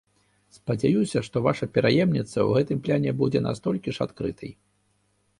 Спадзяюся, што ваша пераемніца ў гэтым плане будзе настолькі ж адкрытай.